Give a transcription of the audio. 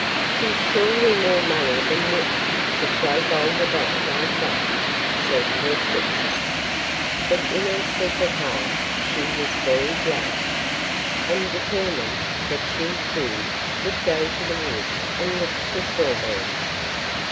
'She's surely more money than wit to throw gold about like that,' said her stepsister, but in her secret heart she was very jealous, and determined that she too would go to the wood and look for strawberries.